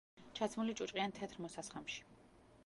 ჩაცმული ჭუჭყიან თეთრ მოსასხამში.